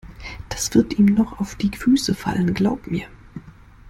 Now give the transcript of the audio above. Das wird ihm noch auf die Füße fallen, glaub mir!